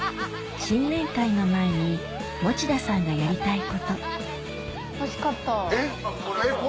新年会の前に持田さんがやりたいことえっえっこれ？